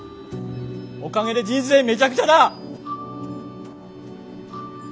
おかげで人生めちゃくちゃだ！